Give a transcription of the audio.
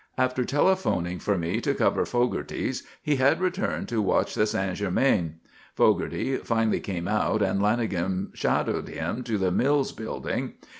After telephoning for me to cover Fogarty's, he had returned to watch the St. Germain. Fogarty finally came out and Lanagan shadowed him to the Mills building.